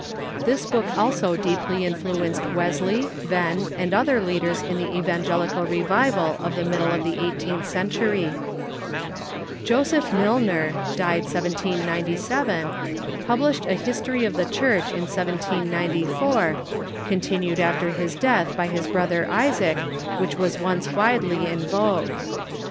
"* This book also deeply influenced Wesle}^ Venn, and other leaders in the Evangelical Revival of the middle of the eighteenth century. Joseph JMilner (died IIQI) published a history of the Church in 1794, continued after his death by his brother Isaac, whicli was once widely in vogue.